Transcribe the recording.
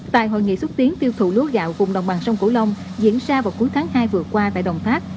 tại hội nghị xúc tiến tiêu thụ lúa gạo vùng đồng bằng sông cửu long diễn ra vào cuối tháng hai vừa qua tại đồng tháp